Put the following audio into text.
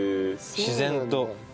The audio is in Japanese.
自然と。